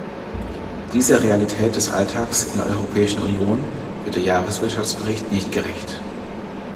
Dieser Realität des Alltags in der Europäischen Union wird der Jahreswirtschaftsbericht nicht gerecht.